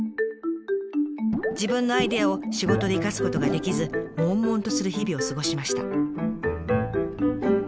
自分のアイデアを仕事で生かすことができずもんもんとする日々を過ごしました。